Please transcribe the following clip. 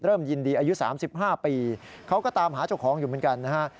เริ่มยินดีอายุ๓๕ปีเขาก็ตามหาชกของอยู่เหมือนกัน